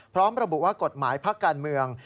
พร้อมระบุว่ากฎหมายพักการเมือง